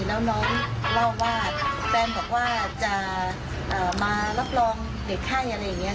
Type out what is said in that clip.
แล้วน้องเล่าว่าแฟนบอกว่าจะมารับรองเด็กไข้อะไรอย่างนี้